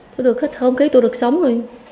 tôi được khách thở không khí tôi được sống rồi